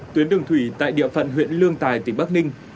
tuyến đường thủy tại địa phận huyện lương tài tỉnh bắc ninh